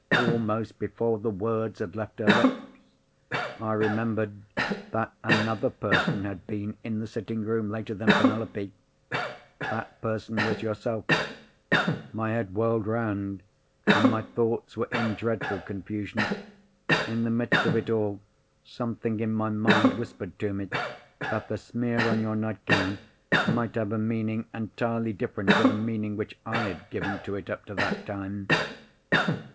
"Almost before the words had left her lips, I remembered that another person had been in the sitting room later than Penelope. That person was yourself. My head whirled round, and my thoughts were in dreadful confusion. In the midst of it all, something in my mind whispered to me that the smear on your nightgown might have a meaning entirely different to the meaning which I had given to it up to that time.